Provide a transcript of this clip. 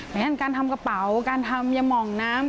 หมายถึงการทำกระเป๋าการทำยะหม่องน้ำ